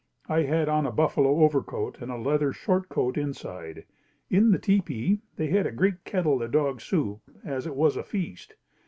I had on a buffalo overcoat and a leather shortcoat inside. In the tepee, they had a great kettle of dog soup, as it was a feast.